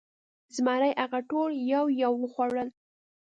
زمري هغه ټول یو یو وخوړل.